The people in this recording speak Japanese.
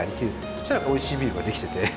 そしたらおいしいビールができてて。